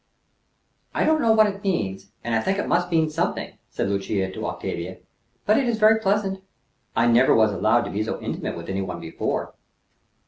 "I don't know what it means, and I think it must mean something," said Lucia to Octavia; "but it is very pleasant. I never was allowed to be so intimate with any one before."